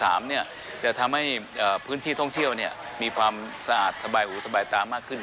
จะทำให้พื้นที่ท่องเที่ยวมีความสะอาดสบายหูสบายตามากขึ้น